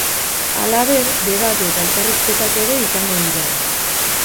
Halaber, debate, eta elkarrizketak ere izango dira.